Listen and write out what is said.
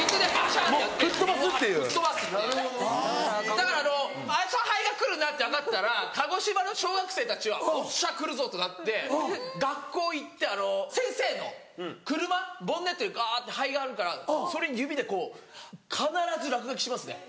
だからあした灰が来るなって分かったら鹿児島の小学生たちはおっしゃ来るぞってなって学校行って先生の車ボンネットにがって灰があるからそれ指でこう必ず落書きしますね。